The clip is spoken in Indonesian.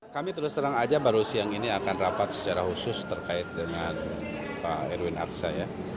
kami terus terang aja baru siang ini akan rapat secara khusus terkait dengan pak erwin absa ya